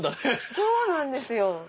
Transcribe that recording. そうなんですよ。